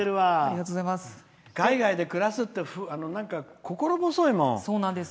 海外で暮らすって心細いもん。